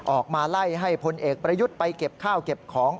ออกมาไล่ให้พลเอกประยุทธ์ไปเก็บข้าวเก็บของ